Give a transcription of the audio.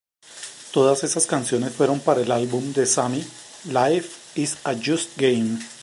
Todas esas canciones fueron para el álbum de Sammy "Life Is A Just Game".